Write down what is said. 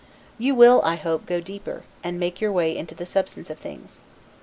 You will, I hope, go deeper, and make your way into the substance of things.